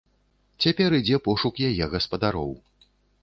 Цяпер ідзе пошук яе гаспадароў.